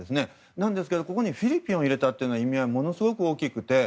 なんですが、ここにフィリピンを入れた意味合いはものすごく大きくて。